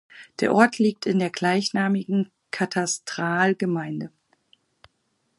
Der Ort liegt in der gleichnamigen Katastralgemeinde.